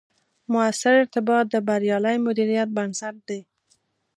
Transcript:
مؤثر ارتباط، د بریالي مدیریت بنسټ دی